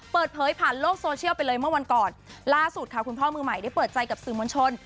เปิดเผยผ่านโลกโซเชียลไปเลยเมื่อวันก่อนล่าสุดค่ะคุณพ่อมือใหม่ได้เปิดใจกับสื่อมวลชน